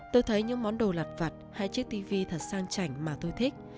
tôi thấy những món đồ lặt vặt hay chiếc tivi thật sang chảnh mà tôi thích